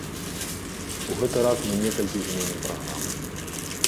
У гэты раз мы некалькі зменім праграму.